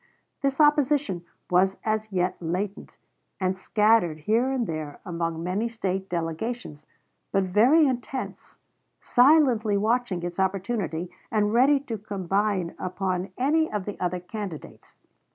This opposition was as yet latent, and scattered here and there among many State delegations, but very intense, silently watching its opportunity, and ready to combine upon any of the other candidates.